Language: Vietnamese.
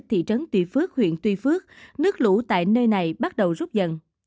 thị trấn tuy phước huyện tuy phước nước lũ tại nơi này bắt đầu rút dần